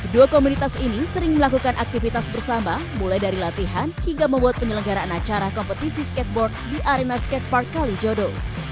dua komunitas ini sering melakukan aktivitas bersama mulai dari latihan hingga membuat penyelenggaraan acara kompetisi skateboard di arena skatepark kalijodo